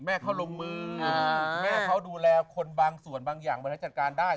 แม่เขาลงมือแม่เขาดูแลคนบางส่วนบางอย่างบริหารจัดการได้